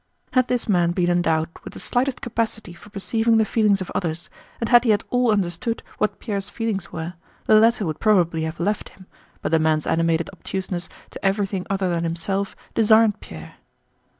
Had this man been endowed with the slightest capacity for perceiving the feelings of others, and had he at all understood what Pierre's feelings were, the latter would probably have left him, but the man's animated obtuseness to everything other than himself disarmed Pierre.